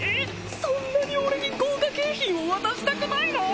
そんなに俺に豪華景品を渡したくないの？